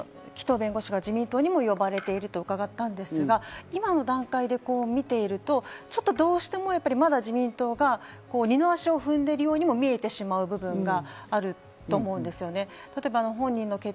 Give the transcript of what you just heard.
紀藤弁護士が自民党に呼ばれてると伺ったんですが、今の段階で見ているとちょっとどうしても、まだ自民党が二の足を踏んでるようにも見えてしまう部分があると思うんですよね。